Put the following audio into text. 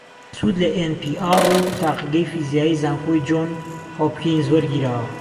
سود لە ئێن پی ئاڕ و تاقیگەی فیزیایی زانکۆی جۆن هۆپکینز وەرگیراوە